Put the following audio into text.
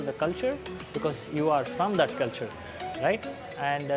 tapi untuk mencoba untuk memperhatikan karya karya indonesia